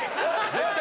絶対。